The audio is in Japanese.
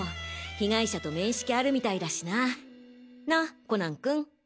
被害者と面識あるみたいだしな。なぁコナン君。